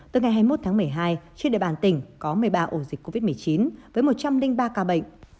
tới ngày hai mươi một tháng một mươi hai trên địa bàn tỉnh có một mươi ba ổ dịch covid một mươi chín với một trăm linh ba ca bệnh